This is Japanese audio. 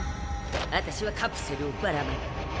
あたしはカプセルをばらまく。